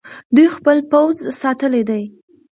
دوی خپل پوځ ساتلی دی.